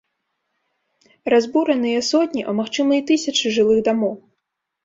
Разбураныя сотні, а магчыма і тысячы жылых дамоў.